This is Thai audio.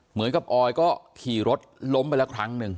เหมือนกับออยก็ขี่รถล้มไปละครั้งหนึ่ง